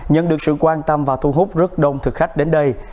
nhận được sự quan tâm và thu hút rất đông thực khách đến đây